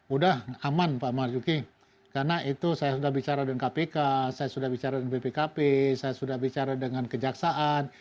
udah aman pak marzuki karena itu saya sudah bicara dengan kpk saya sudah bicara dengan bpkp saya sudah bicara dengan kejaksaan